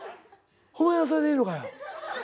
「お前はそれでいいのかよ」